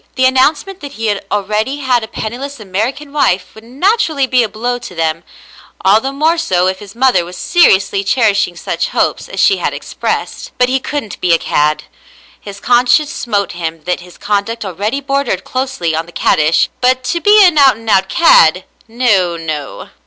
The announcement that he already had a penniless American wife would naturally be a blow to them, all the more so if his mother was seriously cherishing such hopes as she had expressed ; but he couldn't be a cad. His conscience smote him that his conduct already bordered closely on the caddish, but to be an out and out cad, — no, no.